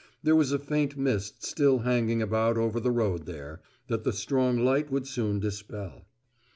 There was a faint mist still hanging about over the road there, that the strong light would soon dispel.